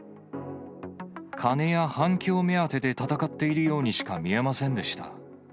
金や反響目当てで闘っているようにしか見えませんでした。